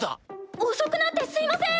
遅くなってすいません！